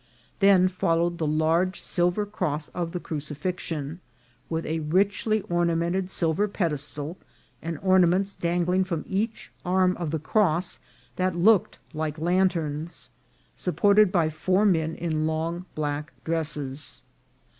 Then followed the large silver cross of the crucifixion, with a richly ornamented silver pedestal, and ornaments dangling from each arm of the cross that looked like lanterns, supported by four men in long black dresses.